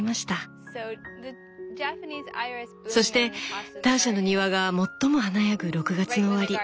そしてターシャの庭が最も華やぐ６月の終わり。